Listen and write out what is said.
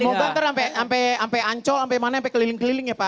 mau bantar sampai ancol sampai mana sampai keliling keliling ya pak